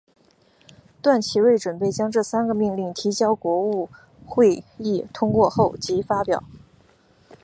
段祺瑞准备将这三个命令提交国务会议通过后即发表。